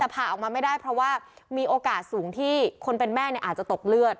แต่พาออกมาไม่ได้เพราะว่ามีโอกาสสูงที่คนเป็นแม่อาจจะตกเลือด